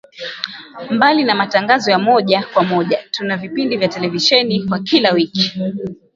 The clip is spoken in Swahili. Mbali na matangazo ya moja kwa moja tuna vipindi vya televisheni vya kila wiki